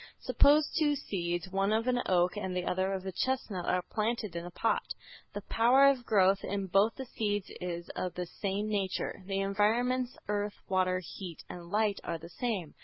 Suppose two seeds, one of an oak and the other of a chestnut, are planted in a pot. The power of growth in both the seeds is of the same nature. The environments, earth, water, heat and light are the same.